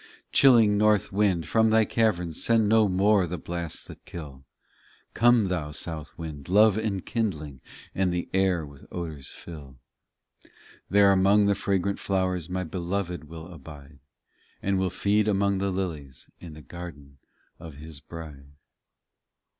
Chilling north wind, from thy caverns Send no more the blasts that kill; Come thou south wind, love enkindling, And the air with odours fill. There among the fragrant flowers My Beloved will abide, And will feed among the lilies In the garden of His bride.